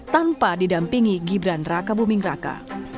tanpa didampingi gibran raka buming raka